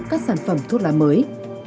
các sản phẩm thuốc lá mới